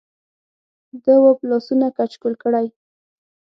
د وه لاسونه کچکول کړی